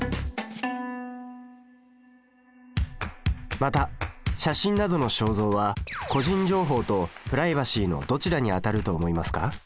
また写真などの肖像は個人情報とプライバシーのどちらにあたると思いますか？